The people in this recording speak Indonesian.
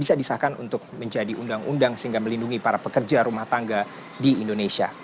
bisa disahkan untuk menjadi undang undang sehingga melindungi para pekerja rumah tangga di indonesia